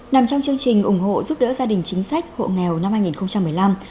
nằm trong chương trình ủng hộ giúp đỡ gia đình chính sách hộ nghèo năm hai nghìn một mươi năm